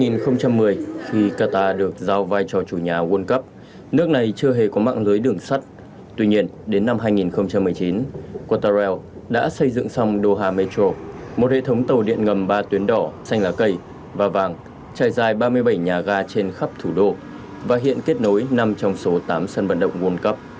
năm hai nghìn một mươi khi qatar được giao vai cho chủ nhà world cup nước này chưa hề có mạng lưới đường sắt tuy nhiên đến năm hai nghìn một mươi chín quattroel đã xây dựng xong doha metro một hệ thống tàu điện ngầm ba tuyến đỏ xanh lá cây và vàng trải dài ba mươi bảy nhà ga trên khắp thủ đô và hiện kết nối năm trong số tám sân vận động world cup